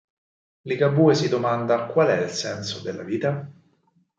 Ligabue si domanda "Qual é il senso la vita?